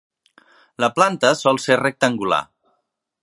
La planta sol ser rectangular.